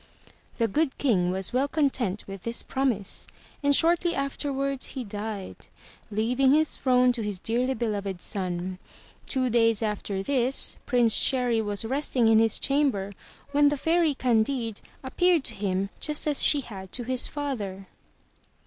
The Good King was well content with this promise, and shortly afterwards he died, leaving his throne to his dearly be loved son. Two days after this. Prince Cherry was resting in his chamber when the Fairy Candide appeared to him just as she had to his father.